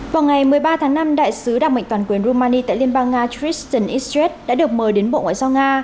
vào ngày một mươi ba tháng năm đại sứ đặc mệnh toàn quyền rumani tại liên bang nga triston istraz đã được mời đến bộ ngoại giao nga